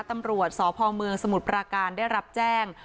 ตำรวจสพเมืองสมุทรปราการได้รับแจ้ง